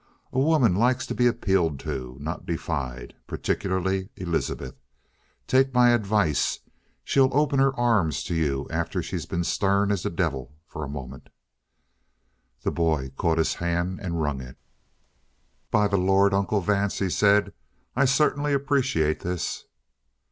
A woman likes to be appealed to, not defied. Particularly Elizabeth. Take my advice. She'll open her arms to you after she's been stern as the devil for a moment." The boy caught his hand and wrung it. "By the Lord, Uncle Vance," he said, "I certainly appreciate this!"